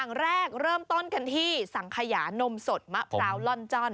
อย่างแรกเริ่มต้นกันที่สังขยานมสดมะพร้าวล่อนจ้อน